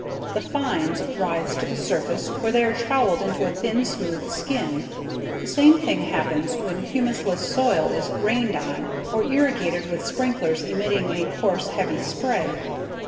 The "fines" rise to the surface where they are trowelled into a thin smooth skin. The same thing happens when humusless soil is rained on or irrigated with sprinklers emitting a coarse, heavy spray.